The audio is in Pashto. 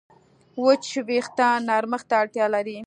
وچ وېښتيان نرمښت ته اړتیا لري.